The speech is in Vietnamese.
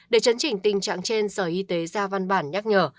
để chấn chỉnh tình trạng trên sở y tế ra văn bản nhắc nhở